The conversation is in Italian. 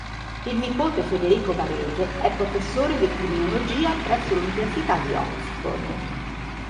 Il nipote Federico Varese è professore di criminologia presso l'Università di Oxford.